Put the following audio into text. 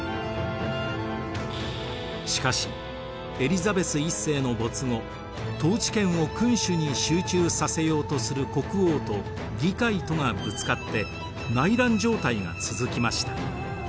しかしエリザベス１世の没後統治権を君主に集中させようとする国王と議会とがぶつかって内乱状態が続きました。